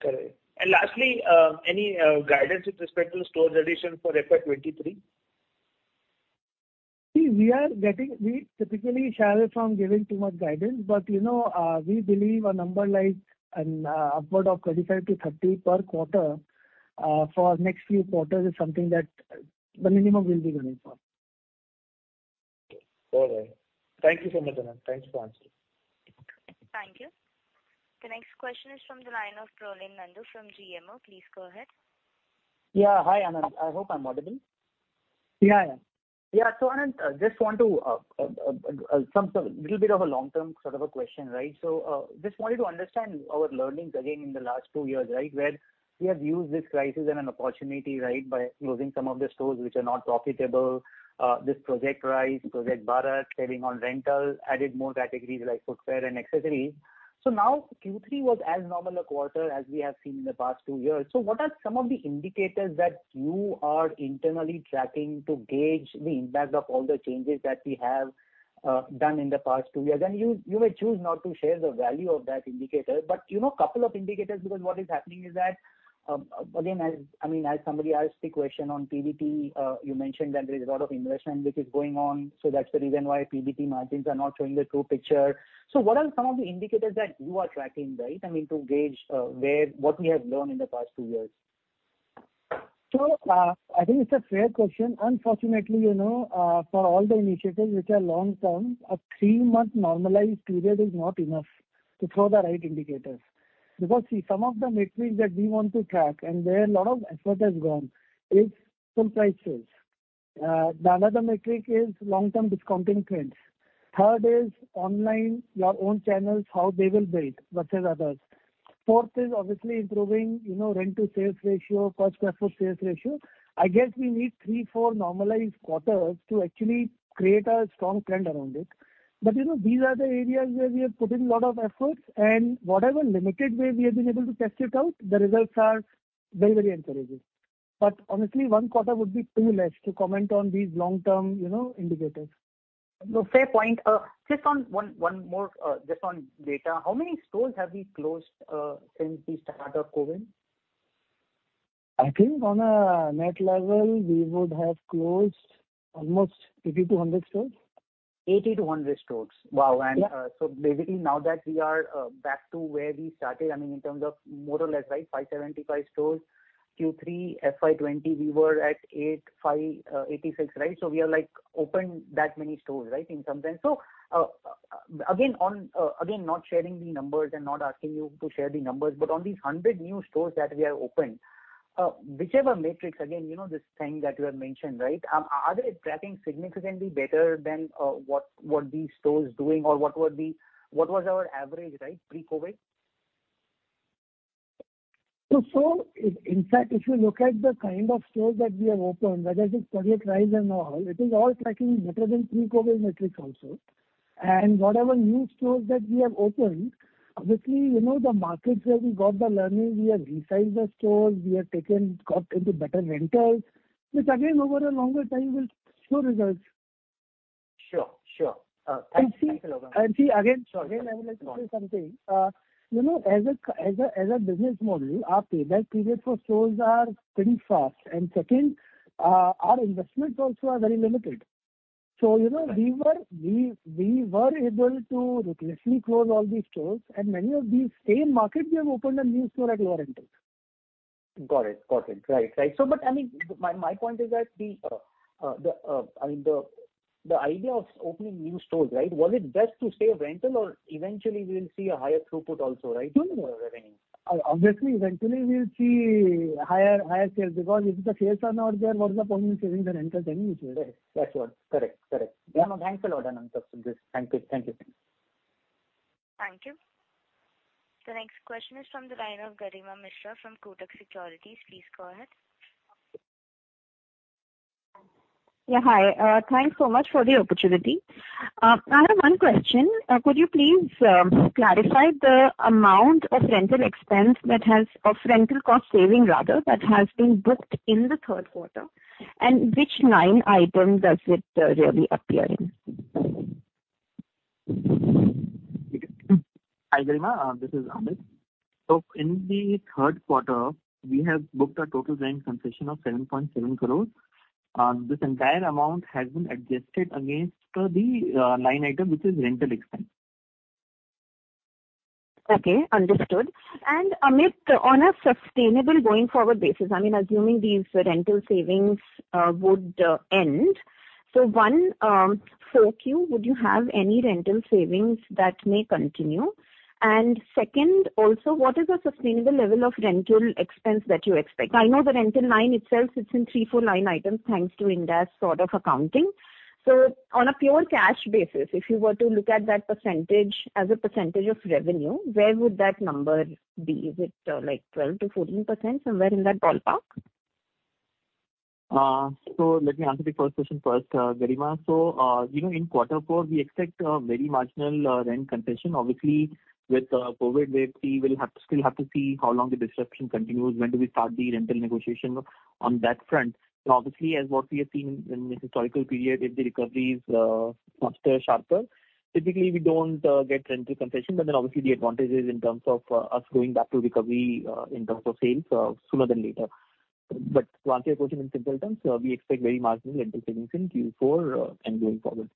Correct. Lastly, any guidance with respect to stores addition for FY 2023? We typically shy away from giving too much guidance. You know, we believe a number like upward of 25-30 per quarter for next few quarters is something that the minimum we'll be running for. All right. Thank you so much, Anant. Thanks for answering. Thank you. The next question is from the line of Pralay Nandu from GMO. Please go ahead. Yeah. Hi, Anant. I hope I'm audible. Yeah, yeah. Yeah. Anant, just want to some sort of little bit of a long-term sort of a question, right? Just wanted to understand our learnings again in the last two years, right, where we have used this crisis and an opportunity, right, by closing some of the stores which are not profitable, this Project RISE, Project Bharat, saving on rental, added more categories like footwear and accessories. Now Q3 was as normal a quarter as we have seen in the past two years. What are some of the indicators that you are internally tracking to gauge the impact of all the changes that we have done in the past two years? You may choose not to share the value of that indicator, but you know, couple of indicators, because what is happening is that, again, I mean, as somebody asked the question on PBT, you mentioned that there is a lot of investment which is going on. That's the reason why PBT margins are not showing the true picture. What are some of the indicators that you are tracking, right? I mean, to gauge what we have learned in the past 2 years. I think it's a fair question. Unfortunately, you know, for all the initiatives which are long-term, a three-month normalized period is not enough to throw the right indicators. Because, see, some of the metrics that we want to track, and where a lot of effort has gone, is full prices. Another metric is long-term discount in trends. Third is online, your own channels, how they will build versus others. Fourth is obviously improving, you know, rent to sales ratio, cost per foot sales ratio. I guess we need 3-4 normalized quarters to actually create a strong trend around it. You know, these are the areas where we have put in a lot of efforts, and whatever limited way we have been able to test it out, the results are very encouraging. Honestly, one quarter would be too less to comment on these long-term, you know, indicators. No, fair point. Just one more, just on data, how many stores have we closed since the start of COVID? I think on a net level, we would have closed almost 80-100 stores. 80-100 stores. Wow. Yeah. Basically now that we are back to where we started, I mean in terms of more or less, right, 575 stores. Q3 FY 2020 we were at 85, 86, right? We are like opened that many stores, right, in some sense. Again, on again, not sharing the numbers and not asking you to share the numbers, but on these 100 new stores that we have opened, whichever metrics again, you know, this thing that you have mentioned, right? Are they tracking significantly better than what these stores doing or what was our average, right, pre-COVID? In fact, if you look at the kind of stores that we have opened, whether it's Project RISE and all, it is all tracking better than pre-COVID metrics also. Whatever new stores that we have opened, obviously, you know, the markets where we got the learning, we have resized the stores, we have got into better rentals, which again, over a longer time will show results. Sure. Thanks. And see- Thanks a lot. And see again- Sure, sure. Again, I would like to say something. You know, as a business model, our payback period for stores are pretty fast. Second, our investments also are very limited. You know. Right. We were able to ruthlessly close all these stores, and many of these same markets, we have opened a new store at lower rentals. Got it. Right. I mean, my point is that the idea of opening new stores, right? Was it best to save rental or eventually we'll see a higher throughput also, right? No, no, I mean, obviously eventually we'll see higher sales. Because if the sales are not there, what is the point in saving the rental then, which we did? Right. That's what. Correct. Yeah. No, thanks a lot, Anant, for this. Thank you. Thank you. The next question is from the line of Garima Mishra from Kotak Securities. Please go ahead. Hi. Thanks so much for the opportunity. I have one question. Could you please clarify the amount of rental cost saving rather that has been booked in the third quarter, and which line item does it really appear in? Hi, Garima. This is Amit. In the third quarter, we have booked a total rent concession of 7.7 crores. This entire amount has been adjusted against the line item which is rental expense. Okay, understood. Amit, on a sustainable going forward basis, I mean, assuming these rental savings would end. One, for Q, would you have any rental savings that may continue? Second, also, what is the sustainable level of rental expense that you expect? I know the rental line itself sits in three or four line items, thanks to Ind AS sort of accounting. On a pure cash basis, if you were to look at that percentage as a percentage of revenue, where would that number be? Is it like 12%-14%, somewhere in that ballpark? Let me answer the first question first, Garima. You know, in quarter four, we expect a very marginal rent concession. Obviously, with COVID wave, we will have to see how long the disruption continues, when do we start the rental negotiation on that front. Obviously, as what we have seen in historical period, if the recovery is faster, sharper, typically we don't get rental concession. But then obviously the advantage is in terms of us going back to recovery in terms of sales sooner than later. But to answer your question in simple terms, we expect very marginal rental savings in Q4 and going forward.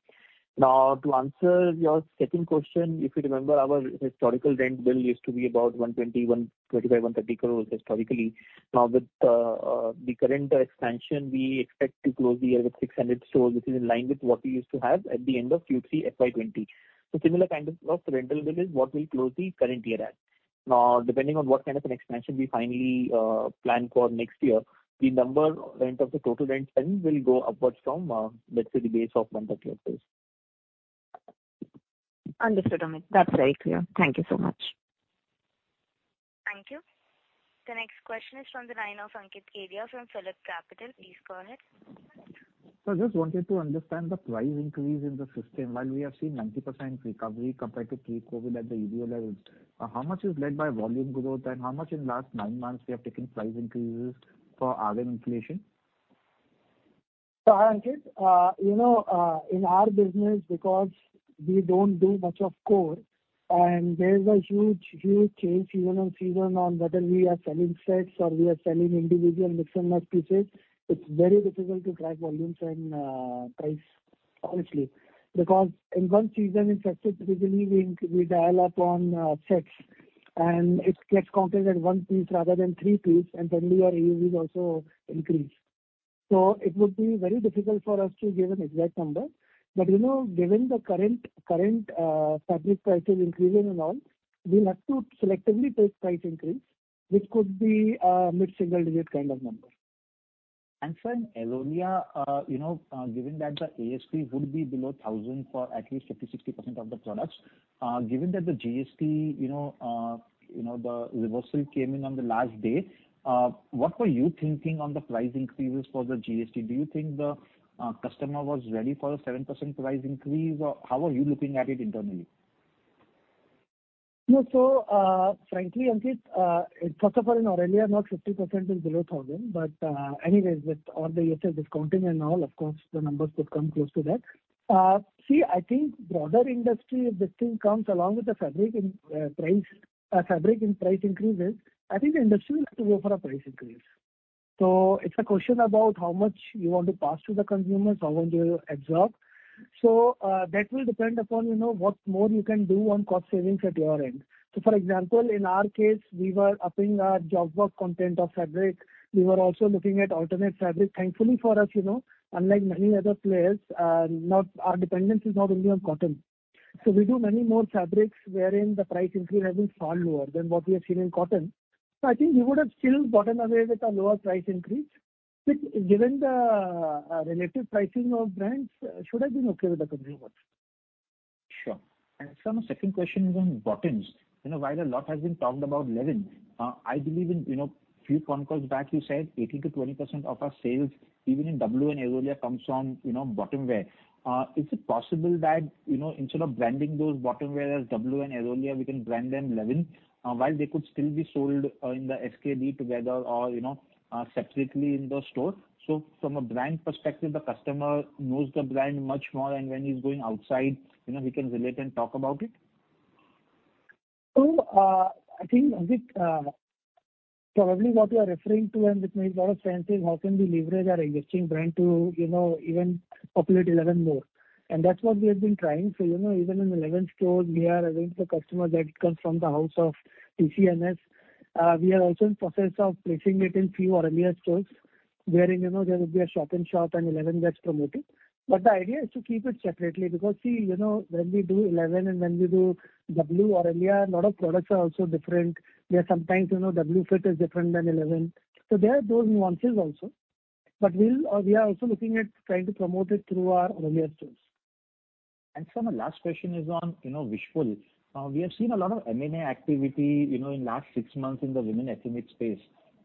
Now, to answer your second question, if you remember our historical rent bill used to be about 120 crore, 125 crore, 130 crore historically. Now, with the current expansion, we expect to close the year with 600 stores, which is in line with what we used to have at the end of Q3 FY 2020. Similar kind of rental bill is what we'll close the current year at. Now, depending on what kind of an expansion we finally plan for next year, the rental of the total rent spend will go upwards from let's say the base of 130 crores. Understood, Amit. That's very clear. Thank you so much. Thank you. The next question is from the line of Ankit Arya from PhillipCapital. Please go ahead. Sir, just wanted to understand the price increase in the system. While we have seen 90% recovery compared to pre-COVID at the EBITDA level, how much is led by volume growth and how much in last nine months we have taken price increases for RM inflation? Ankit, you know, in our business because we don't do much of core and there is a huge change season on season on whether we are selling sets or we are selling individual mix and match pieces. It's very difficult to track volumes and price honestly. Because in one season if success is really being we dial up on sets and it gets counted as one piece rather than three piece, and suddenly our AUVs also increase. It would be very difficult for us to give an exact number. But you know, given the current fabric prices increasing and all, we'll have to selectively take price increase, which could be mid-single digit kind of number. Sir, in Aurelia, you know, given that the ASP would be below 1000 for at least 50%-60% of the products, given that the GST, you know, the reversal came in on the last day, what were you thinking on the price increases for the GST? Do you think the customer was ready for a 7% price increase, or how are you looking at it internally? No, frankly, Ankit, it first of all in Aurelia, not 50% is below 1,000, but anyway with all the EOSS discounting and all, of course the numbers could come close to that. See, I think broader industry, if this thing comes along with the fabric input price increases, I think the industry will have to go for a price increase. It's a question about how much you want to pass to the consumers, how much you'll absorb. That will depend upon, you know, what more you can do on cost savings at your end. For example, in our case, we were upping our jogger content of fabric. We were also looking at alternate fabric. Thankfully for us, you know, unlike many other players, our dependence is not only on cotton. We do many more fabrics wherein the price increase has been far lower than what we have seen in cotton. I think we would have still gotten away with a lower price increase, which given the relative pricing of brands should have been okay with the consumers. Sure. Sir, my second question is on bottoms. You know, while a lot has been talked about Elleven, I believe in, you know, few concalls back you said 80%-20% of our sales, even in W and Aurelia comes from, you know, bottom wear. Is it possible that, you know, instead of branding those bottom wear as W and Aurelia, we can brand them Elleven, while they could still be sold in the SKU together or, you know, separately in the store. From a brand perspective, the customer knows the brand much more, and when he's going outside, you know, he can relate and talk about it. I think, Ankit, probably what you are referring to, and which makes a lot of sense is how can we leverage our existing brand to, you know, even populate Elleven more. That's what we have been trying. You know, even in Elleven stores we are offering to the customer that comes from the house of TCNS. We are also in process of placing it in few Aurelia stores, wherein, you know, there will be a shop in shop and Elleven gets promoted. The idea is to keep it separately because see, you know, when we do Elleven and when we do W Aurelia, a lot of products are also different. There are sometimes, you know, W fit is different than Elleven. There are those nuances also. We are also looking at trying to promote it through our Aurelia stores. Sir, my last question is on, you know, Wishful. We have seen a lot of M&A activity, you know, in last six months in the women ethnic space.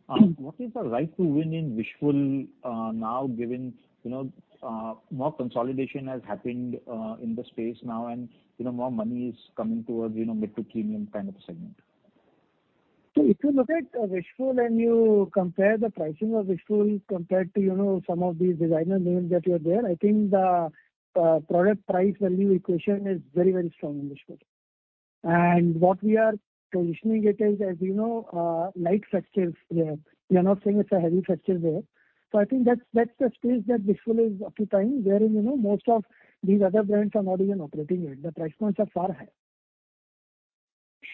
What is the right to win in Wishful, now given, you know, more consolidation has happened, in the space now and, you know, more money is coming towards, you know, mid to premium kind of a segment? If you look at Wishful and you compare the pricing of Wishful compared to, you know, some of these designer names that are there, I think the product price value equation is very, very strong in Wishful. What we are positioning it is as, you know, a light festive wear. We are not saying it's a heavy festive wear. I think that's the space that Wishful is occupying, wherein, you know, most of these other brands are not even operating in. The price points are far higher.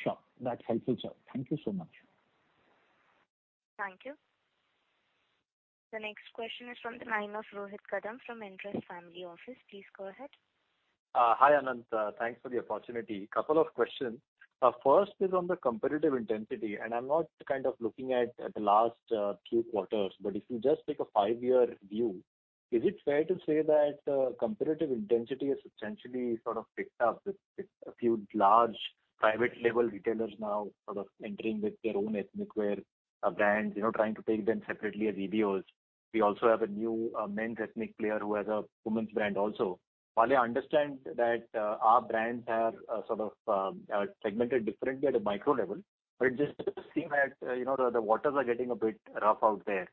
Sure. That's helpful, sir. Thank you so much. Thank you. The next question is from the line of Rohit Kadam from InCred Family Office. Please go ahead. Hi, Anant. Thanks for the opportunity. Couple of questions. First is on the competitive intensity, and I'm not kind of looking at the last three quarters, but if you just take a five-year view, is it fair to say that competitive intensity has essentially sort of picked up with a few large private label retailers now sort of entering with their own ethnic wear brands, you know, trying to take them separately as EBOs. We also have a new men's ethnic player who has a women's brand also. While I understand that our brands have sort of segmented differently at a micro level, but it just seems that, you know, the waters are getting a bit rough out there.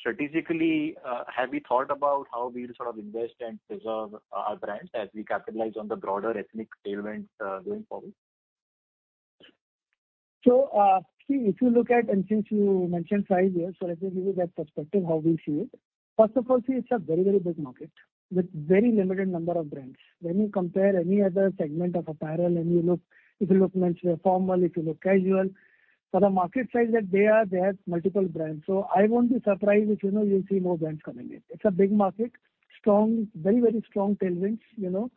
Strategically, have you thought about how we'll sort of invest and preserve our brands as we capitalize on the broader ethnic tailwinds, going forward? If you look at. Since you mentioned five years, let me give you that perspective, how we see it. First of all, it's a very, very big market with very limited number of brands. When you compare any other segment of apparel and you look, if you look menswear formal, if you look casual, for the market size that they are, they have multiple brands. I won't be surprised if, you know, you'll see more brands coming in. It's a big market, strong, very, very strong tailwinds, you know.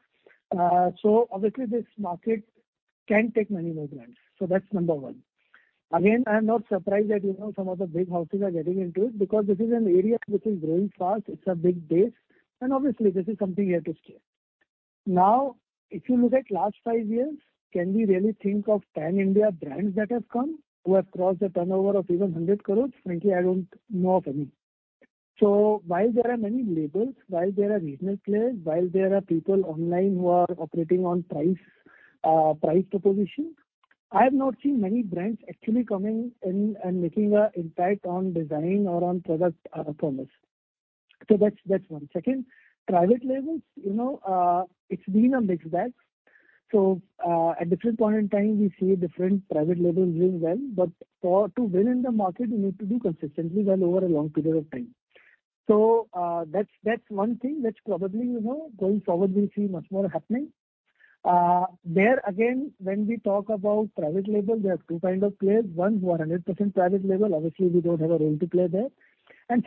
Obviously this market can take many more brands. That's number one. Again, I'm not surprised that, you know, some of the big houses are getting into it because this is an area which is growing fast. It's a big base, and obviously this is something here to stay. Now, if you look at last 5 years, can we really think of 10 Indian brands that have come, who have crossed a turnover of even 100 crore? Frankly, I don't know of any. While there are many labels, while there are regional players, while there are people online who are operating on price proposition, I have not seen many brands actually coming in and making an impact on design or on product promise. That's one. Second, private labels, you know, it's been a mixed bag. At different points in time, we see different private labels doing well. To win in the market, you need to do consistently well over a long period of time. That's one thing that probably, you know, going forward we'll see much more happening. There again, when we talk about private label, there are two kinds of players. One who are 100% private label, obviously we don't have a role to play there.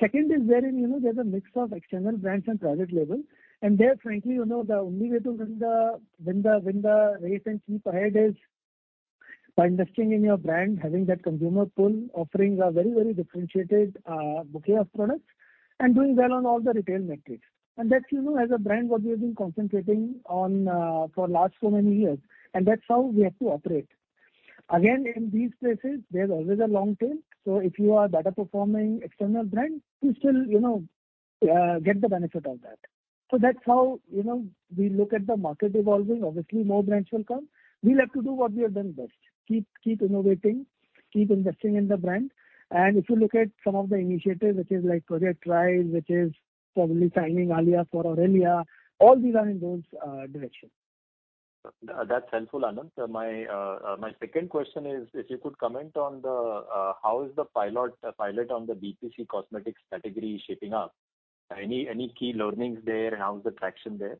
Second is wherein, you know, there's a mix of external brands and private label. There frankly, you know, the only way to win the race and keep ahead is by investing in your brand, having that consumer pull, offering a very, very differentiated bouquet of products, and doing well on all the retail metrics. That's, you know, as a brand, what we have been concentrating on for last so many years, and that's how we have to operate. Again, in these places there's always a long tail, so if you are better performing external brand, you still, you know, get the benefit of that. That's how, you know, we look at the market evolving. Obviously, more brands will come. We'll have to do what we have done best, keep innovating, keep investing in the brand. If you look at some of the initiatives, which is like Project RISE, which is probably signing Alia for Aurelia, all these are in that direction. That's helpful, Anant. My second question is if you could comment on how the pilot on the BPC cosmetics category is shaping up? Any key learnings there? And how is the traction there?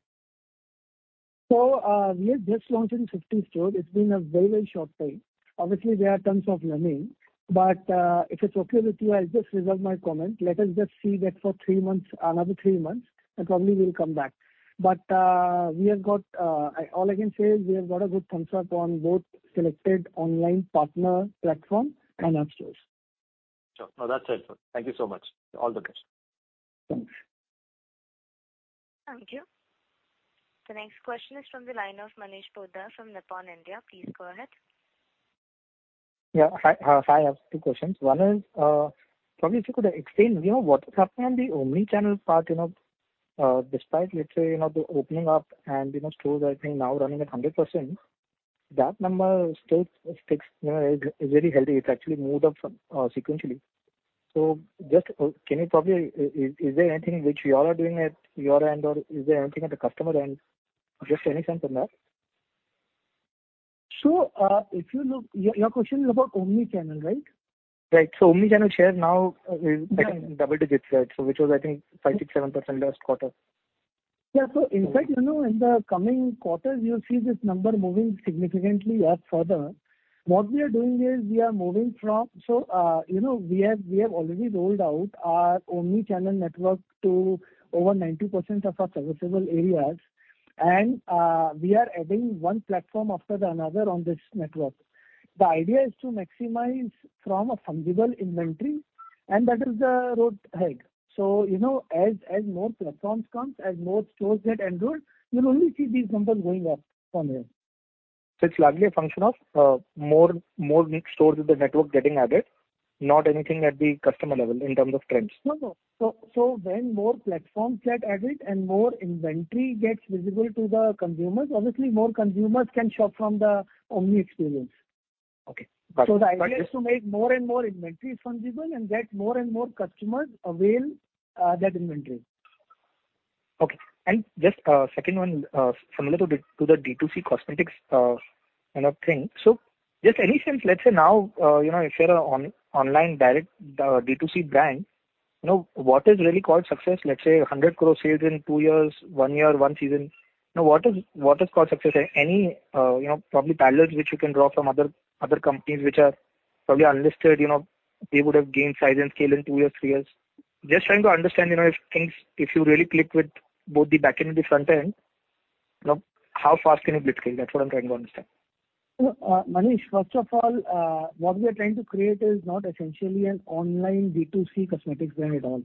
We have just launched in 50 stores. It's been a very, very short time. Obviously, there are tons of learning. If it's okay with you, I'll just reserve my comment. Let us just see that for 3 months, another 3 months, and probably we'll come back. All I can say is we have got a good concept on both selected online partner platform and app stores. Sure. No, that's it, sir. Thank you so much. All the best. Thanks. Thank you. The next question is from the line of Manish Poddar from Nippon India. Please go ahead. Yeah. Hi. Hi. I have two questions. One is, probably if you could explain, you know, what is happening on the omni-channel part, you know, despite, let's say, you know, the opening up and, you know, stores, I think, now running at 100%, that number still sticks, you know, is very healthy. It's actually moved up sequentially. So just, is there anything which you all are doing at your end, or is there anything at the customer end? Just any sense on that. Your question is about omni-channel, right? Right. Omni-channel shares now is, I think, double digits, right? Which was I think 5, 6, 7% last quarter. Yeah. In fact, you know, in the coming quarters, you'll see this number moving significantly up further. What we are doing is we have already rolled out our omni-channel network to over 90% of our serviceable areas, and we are adding one platform after another on this network. The idea is to maximize from a fungible inventory, and that is the road ahead. You know, as more platforms comes, as more stores get enrolled, you'll only see these numbers going up from here. It's largely a function of more stores with the network getting added, not anything at the customer level in terms of trends? No, when more platforms get added and more inventory gets visible to the consumers, obviously more consumers can shop from the omni experience. Okay. Got it. The idea is to make more and more inventories fungible and get more and more customers avail that inventory. Okay. Just second one, similar to the D2C cosmetics kind of thing. Just any sense, let's say now, if you're an online direct D2C brand, what is really called success? Let's say 100 crore sales in 2 years, 1 year, 1 season. What is called success? Any probably parallels which you can draw from other companies which are probably unlisted, they would have gained size and scale in 2 years, 3 years. Just trying to understand, if you really click with both the back end and the front end, how fast can you blitzscale? That's what I'm trying to understand. Manish, first of all, what we are trying to create is not essentially an online D2C cosmetics brand at all.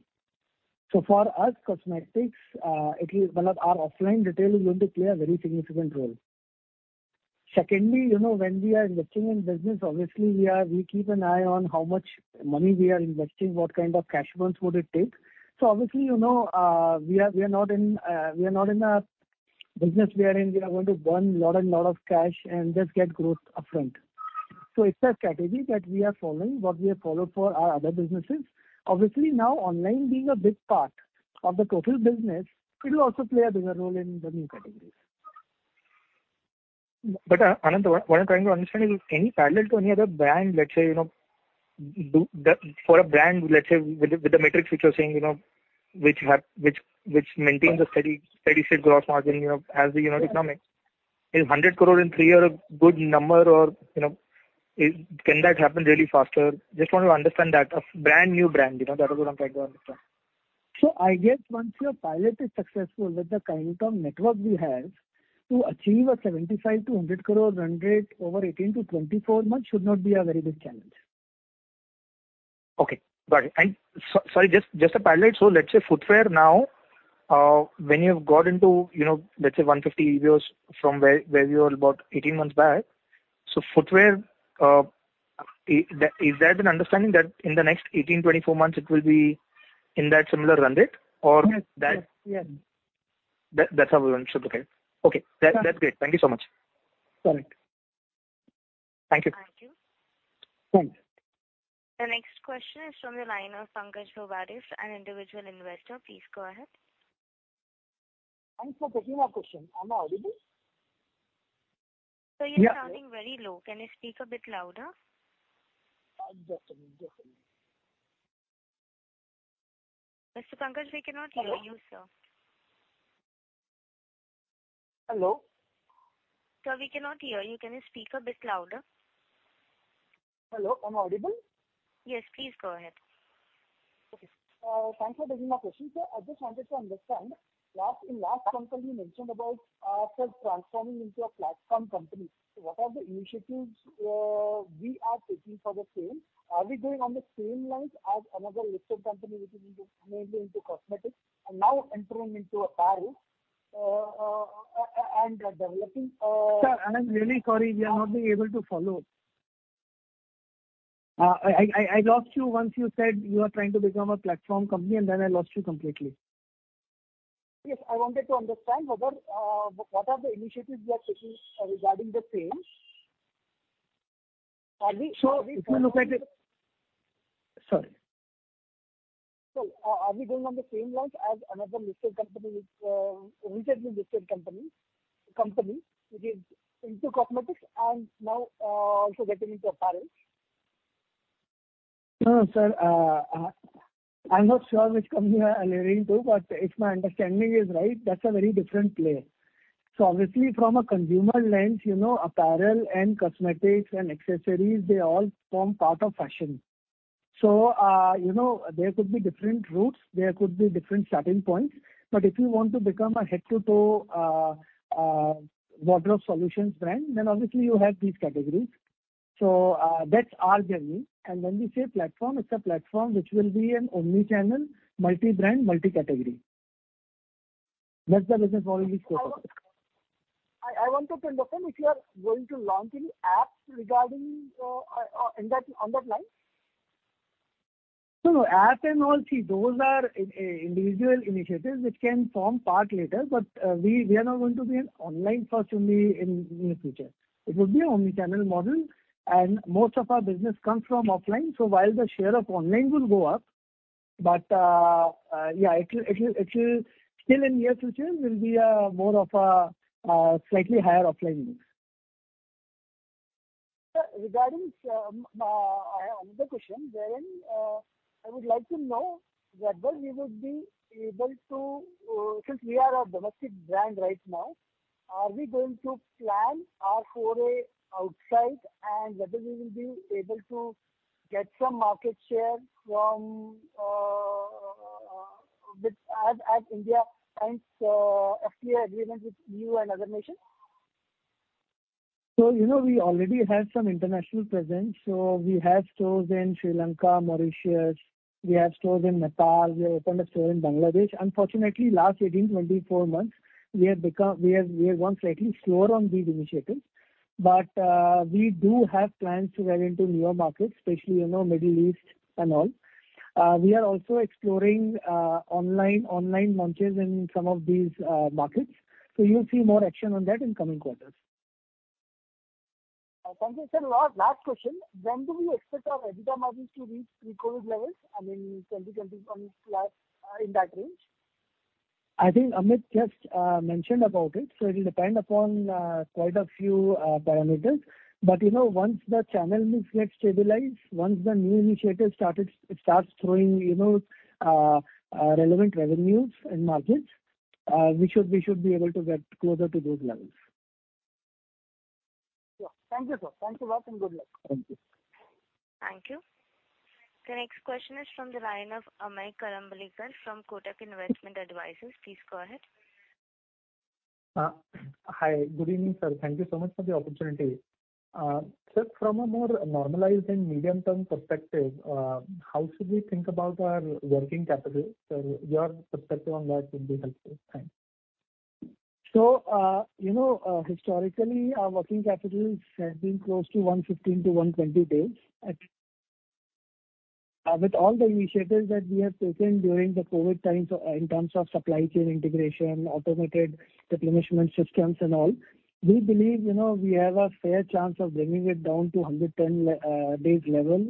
For us, cosmetics, at least one of our offline retail is going to play a very significant role. Secondly, you know, when we are investing in business, obviously we are, we keep an eye on how much money we are investing, what kind of cash burns would it take. Obviously, you know, we are not in a business wherein we are going to burn lot and lot of cash and just get growth upfront. It's a strategy that we are following, what we have followed for our other businesses. Obviously now online being a big part of the total business, it will also play a bigger role in the new categories. Anant, what I'm trying to understand is any parallel to any other brand, let's say, you know, for a brand, let's say with the metrics which you're saying, you know, which maintain the steady-state gross margin, you know, as the economics. Is 100 crore in 3 years a good number or, you know, can that happen really faster? Just want to understand that. A brand-new brand, you know, that is what I'm trying to understand. I guess once your pilot is successful, with the kind of network we have, to achieve a 75 crore-100 crore run rate over 18-24 months should not be a very big challenge. Okay. Got it. Sorry, just a pilot. Let's say footwear now, when you've got into, you know, let's say 150 EBOs from where you were about 18 months back. Footwear, is there an understanding that in the next 18, 24 months it will be in that similar run rate or- Yes. That's how we want it, okay. Okay. That's great. Thank you so much. Got it. Thank you. Thank you. Thank you. The next question is from the line of Pankaj Lovaris, an individual investor. Please go ahead. Thanks for taking my question. Am I audible? Sir, you're sounding very low. Can you speak a bit louder? Just a minute. Mr. Pankaj, we cannot hear you, sir. Hello? Sir, we cannot hear you. Can you speak a bit louder? Hello, am I audible? Yes. Please go ahead. Okay. Thanks for taking my question, sir. I just wanted to understand, in the last conference call you mentioned about self-transforming into a platform company. What are the initiatives we are taking for the same? Are we going on the same lines as another listed company which is into mainly into cosmetics and now entering into apparel and developing. Sir, I'm really sorry we are not being able to follow. I lost you once you said you are trying to become a platform company and then I lost you completely. Yes. I wanted to understand whether what are the initiatives we are taking regarding the same. Are we If you look at it. Sorry. Are we going on the same lines as another listed company which is into cosmetics and now also getting into apparel? No, sir. I'm not sure which company you are alluding to, but if my understanding is right, that's a very different player. Obviously from a consumer lens, you know, apparel and cosmetics and accessories, they all form part of fashion. You know, there could be different routes, there could be different starting points. If you want to become a head to toe wardrobe solutions brand, then obviously you have these categories. That's our journey. When we say platform, it's a platform which will be an omni-channel, multi-brand, multi-category. That's the business model we spoke of. I want to pin down if you are going to launch any apps regarding in that on that line? No, no. App and all, see, those are individual initiatives which can form part later. We are now going to be an online-first only in the future. It will be an omni-channel model, and most of our business comes from offline. While the share of online will go up, it'll still take years to change. It will be more of a slightly higher offline mix. Sir, regarding, I have another question wherein I would like to know whether we would be able to. Since we are a domestic brand right now, are we going to plan our foray outside and whether we will be able to get some market share with, as India signs FTA agreement with UAE and other nations? You know, we already have some international presence. We have stores in Sri Lanka, Mauritius, we have stores in Nepal. We have opened a store in Bangladesh. Unfortunately, last 18, 24 months, we have gone slightly slower on these initiatives. We do have plans to venture into newer markets, especially, you know, Middle East and all. We are also exploring online launches in some of these markets. You'll see more action on that in coming quarters. Sanjay sir, last question. When do we expect our EBITDA margins to reach pre-COVID levels? I mean, 2021 plus, in that range. I think Amit just mentioned about it. It'll depend upon quite a few parameters. You know, once the channel mix gets stabilized, once the new initiatives started, it starts throwing, you know, relevant revenues and margins, we should be able to get closer to those levels. Sure. Thank you, sir. Thanks a lot and good luck. Thank you. Thank you. The next question is from the line of Ameya Karambelkar from Kotak Investment Advisors. Please go ahead. Hi. Good evening, sir. Thank you so much for the opportunity. Sir, from a more normalized and medium-term perspective, how should we think about our working capital? Sir, your perspective on that would be helpful. Thanks. You know, historically our working capital has been close to 115-120 days. With all the initiatives that we have taken during the COVID times, in terms of supply chain integration, automated replenishment systems and all, we believe, you know, we have a fair chance of bringing it down to 110 days level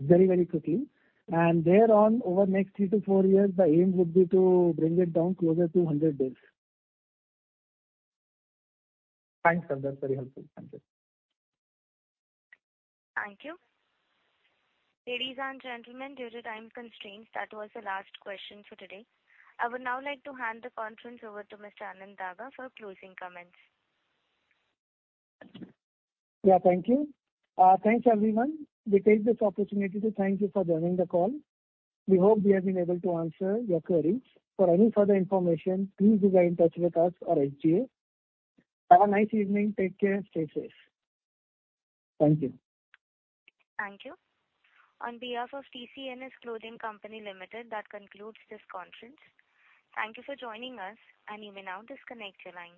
very, very quickly. Thereon, over the next 3-4 years, the aim would be to bring it down closer to 100 days. Thanks, sir. That's very helpful. Thank you. Thank you. Ladies and gentlemen, due to time constraints, that was the last question for today. I would now like to hand the conference over to Mr. Anant Kumar Daga for closing comments. Yeah, thank you. Thanks, everyone. We take this opportunity to thank you for joining the call. We hope we have been able to answer your queries. For any further information, please do get in touch with us or HDA. Have a nice evening. Take care. Stay safe. Thank you. Thank you. On behalf of TCNS Clothing Co. Limited, that concludes this conference. Thank you for joining us, and you may now disconnect your lines.